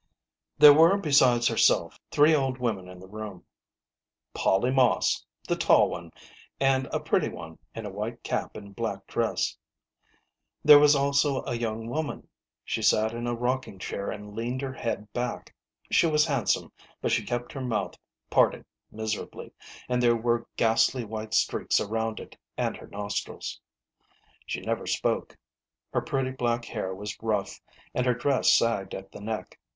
There were, besides herself, three old women in the room ŌĆö Polly Moss, the tall one, and a pretty one in a white cap and black dress. There was also a young woman ; she sat in a rocking chair and leaned her head back. She was handsome, but she kept her mouth parted miserably, and there were ghastly white streaks around it and her nostrils. She never spoke. Her pretty black hair was rough, and her dress sagged at the neck.